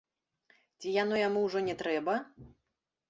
Ці яно яму ўжо не трэба?